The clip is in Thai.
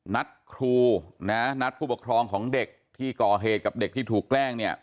นัดครูนะนัดผู้ปกครองของเด็กที่ก่อเหตุกับเด็กที่ถูกแกล้งเนี่ย